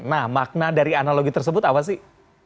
nah makna dari analogi tersebut apa sih